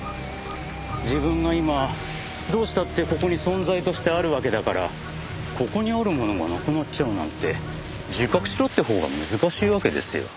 自分は今どうしたってここに存在としてあるわけだからここにあるものがなくなっちゃうなんて自覚しろってほうが難しいわけですよ。